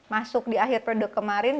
masuk di akhir periode kemarin